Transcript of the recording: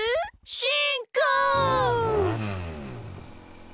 しんこう！